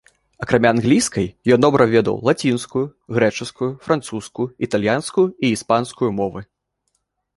Акрамя англійскай, ён добра ведаў лацінскую, грэчаскую, французскую, італьянскую і іспанскую мовы.